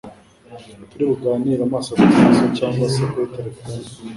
turi buganire amaso ku maso cyangwa se kuri setelephone